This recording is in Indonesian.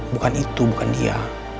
bukan itu bukan dia